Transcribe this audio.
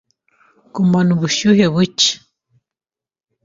Gumana ubushyuhe buke.